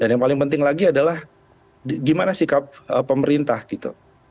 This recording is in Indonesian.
yang paling penting lagi adalah gimana sikap pemerintah gitu